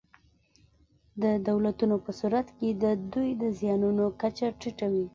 د دولتونو په صورت کې د دوی د زیانونو کچه ټیټه وي.